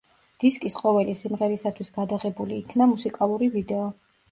დისკის ყოველი სიმღერისათვის გადაღებული იქნა მუსიკალური ვიდეო.